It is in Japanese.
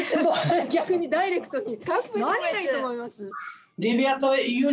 逆にダイレクトに何がいいと思います？